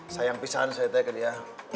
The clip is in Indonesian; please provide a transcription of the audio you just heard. sayang pisang saya teh ke dia